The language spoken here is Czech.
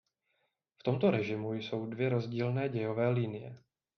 V tomto režimu jsou dvě rozdílné dějové linie.